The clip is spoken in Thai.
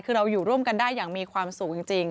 คือเราอยู่ร่วมกันได้อย่างมีความสุขจริง